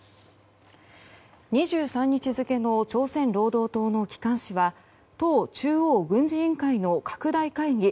２３日付の朝鮮労働党の機関紙は党中央軍事委員会の拡大会議